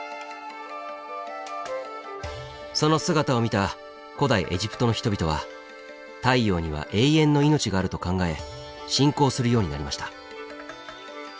その姿を見た古代エジプトの人々は太陽には永遠の命があると考え信仰するようになりました。